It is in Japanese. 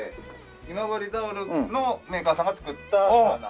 今治タオルのメーカーさんが作ったサウナハット。